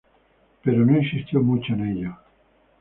Pero no insistió mucho en ello.